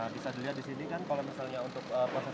nah bisa dilihat disini kan kalau misalnya untuk proses produksinya